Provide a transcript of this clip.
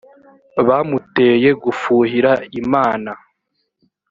bamuteye gufuhira imana